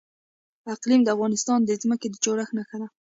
اقلیم د افغانستان د ځمکې د جوړښت نښه ده.